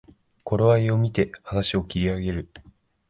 頃合いをみて話を切り上げる